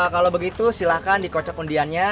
kalau begitu silahkan dikocok undiannya